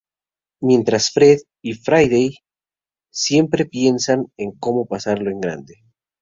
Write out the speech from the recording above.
Mientras Fred y Friday siempre piensan en cómo pasarlo en grande.